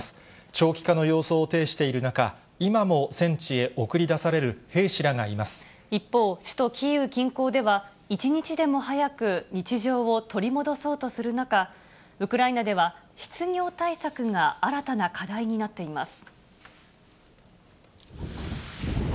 長期化の様相を呈している中、今も戦地へ送り出される兵士らが一日でも早く日常を取り戻そうとする中、ウクライナでは失業対策が新たな課題になっています。